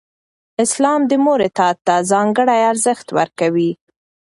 اسلام د مور اطاعت ته ځانګړی ارزښت ورکوي.